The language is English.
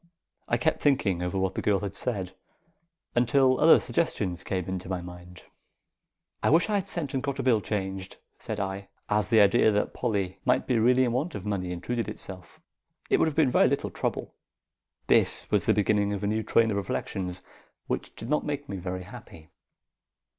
I kept thinking over what the girl had said, until other suggestions came into my mind. "I wish I had sent and got a bill changed," said I, as the idea that Polly might be really in want of money intruded itself. "It would have been very little trouble." This was the beginning of a new train of reflections, which did not make me very happy.